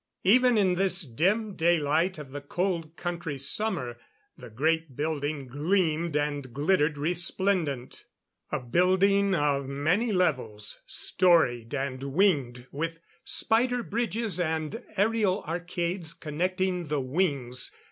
Even in this dim daylight of the Cold Country summer, the great building gleamed and glittered resplendent. A building of many levels, storied and winged, with spider bridges and aerial arcades connecting the wings.